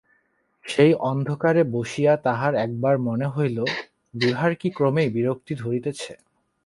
সেই অন্ধকারে বসিয়া তাঁহার একবার মনে হইল, বিভার কি ক্রমেই বিরক্তি ধরিতেছে?